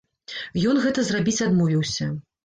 Ён гэта зрабіць адмовіўся.